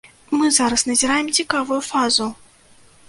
Мы зараз назіраем цікавую фазу.